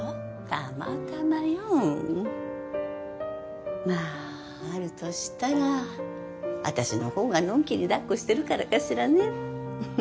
たまたまよまああるとしたら私のほうがのんきにだっこしてるからかしらね